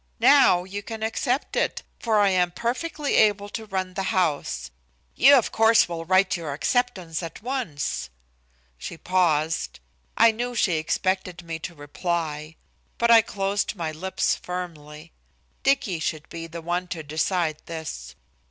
Now you can accept it, for I am perfectly able to run the house. You, of course, will write your acceptance at once." She paused. I knew she expected me to reply. But I closed my lips firmly. Dicky should be the one to decide this.